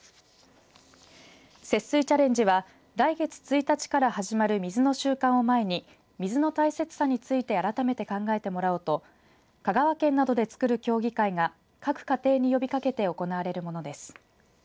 節水チャレンジは来月１日から始まる水の週間を前に水の大切さについて改めて考えてもらおうと香川県などで作る協議会が各家庭に呼びかけて行われるものです。